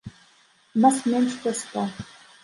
У нас менш за сто.